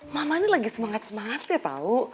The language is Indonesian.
mamanya lagi semangat semangatnya tahu